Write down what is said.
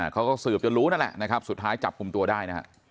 เขาก็สืบจะรู้นั่นแหละสุดท้ายจับคุมตัวได้